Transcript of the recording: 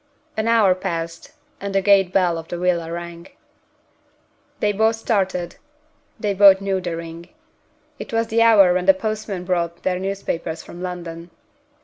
An hour passed, and the gate bell of the villa rang. They both started they both knew the ring. It was the hour when the postman brought their newspapers from London.